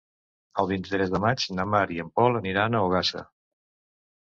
El vint-i-tres de maig na Mar i en Pol aniran a Ogassa.